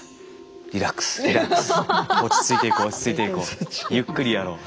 リラックスリラックス落ち着いていこう落ち着いていこうゆっくりやろう。